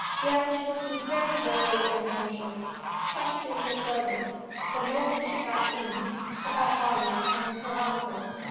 Blanche (looking very weary and anxious) questioned the servant, the moment she got in, about Arnold and her uncle.